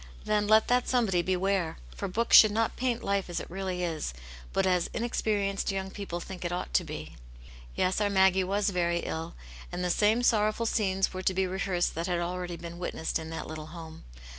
Then let that somebody beware ! For books should not paint life as it really is, but as inexperienced young people think it ought to be. Yes, our Maggie was very ill, and the same sorrow ful scenes were to be rehearsed that had already been witnessed in that little home.